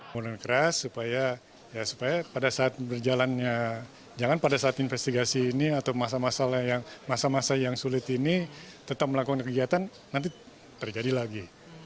mohon keras supaya pada saat berjalannya jangan pada saat investigasi ini atau masa masa yang sulit ini tetap melakukan kegiatan nanti terjadi lagi